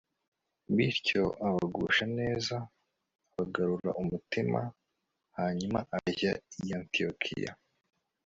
bityo abagusha neza, abagarura umutima, hanyuma ajya i antiyokiya